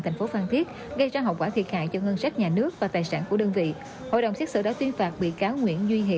để chung tay giúp người dân cả nước vững tâm phòng chống dịch bệnh